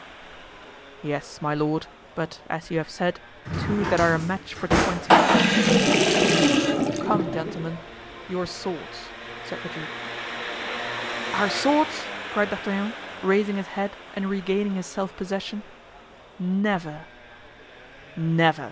"Yes, my lord; but, as you have said, two that are a match for twenty," said Athos. "Come, gentlemen, your swords," said the duke. "Our swords!" cried D'Artagnan, raising his head and regaining his self possession. "Never!" "Never!"